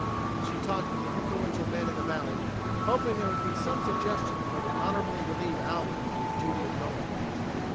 But she talked with the influential men in the valley hoping there would be some suggestion that would honorably relieve Alvin from the duty of going.